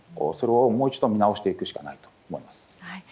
それをもう一度見直していくしかないと思います。